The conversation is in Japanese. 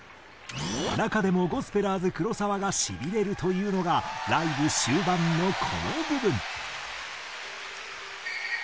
中でもゴスペラーズ黒沢が「しびれる」と言うのがライブ終盤のこの部分。